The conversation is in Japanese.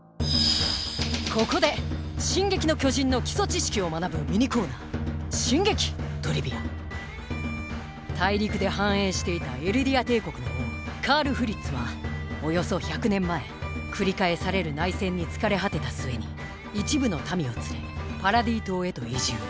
ここで「進撃の巨人」の基礎知識を学ぶミニコーナー大陸で繁栄していたエルディア帝国の王カール・フリッツはおよそ１００年前繰り返される内戦に疲れ果てた末に一部の民を連れパラディ島へと移住。